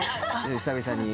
久々に。